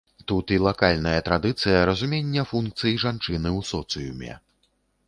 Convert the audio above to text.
Тут і лакальная традыцыя разумення функцый жанчыны ў соцыуме.